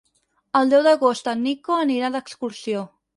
El deu d'agost en Nico anirà d'excursió.